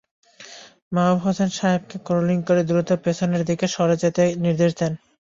মাহবুব হোসেন সবাইকে ক্রলিং করে দ্রুত পেছনের দিকে সরে যেতে নির্দেশ দেন।